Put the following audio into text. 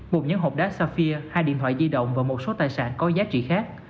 một nhấn hộp đá sapphire hai điện thoại di động và một số tài sản có giá trị khác